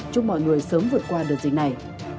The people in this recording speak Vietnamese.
chúc mọi người sớm vượt qua đợt dịch này